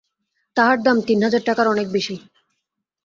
তাহার দাম তিন হাজার টাকার অনেক বেশি।